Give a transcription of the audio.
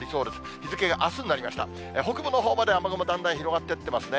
日付があすになりました、北部のほうまで雨雲だんだん広がっていってますね。